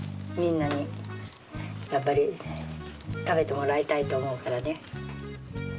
みんなにやっぱり食べてもらいたいと思うからね。